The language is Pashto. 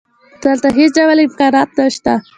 دلته هېڅ ډول امکانات نشته